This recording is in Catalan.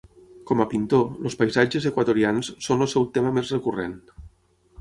Com a pintor, els paisatges equatorians són el seu tema més recurrent.